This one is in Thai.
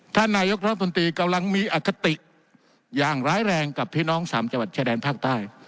ท่านนายกรัฐมนตรีกำลังมีอคติอย่างร้ายแรงกับพี่น้องสามจังหวัดชายแดนภาคใต้